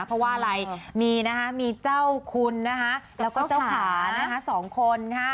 เพราะว่าอะไรมีเจ้าคุณแล้วก็เจ้าขา๒ค่ะ